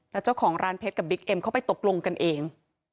แล้วเจ้าของร้านเพชรกับบิ๊กเอ็มเขาไปตกลงกันเอง